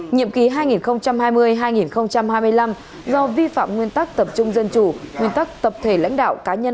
nhiệm ký hai nghìn hai mươi hai nghìn hai mươi năm do vi phạm nguyên tắc tập trung dân chủ nguyên tắc tập thể lãnh đạo cá nhân